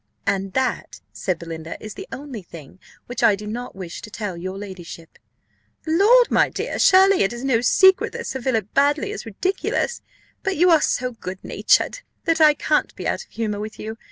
"And that," said Belinda, "is the only thing which I do not wish to tell your ladyship." "Lord, my dear, surely it is no secret that Sir Philip Baddely is ridiculous; but you are so good natured that I can't be out of humour with you.